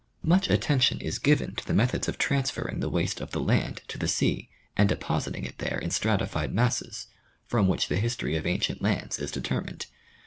Much attention is given to the methods of transferring the waste of the land to the sea and depositing it there in stratified masses, from which the history of ancient lands is determined.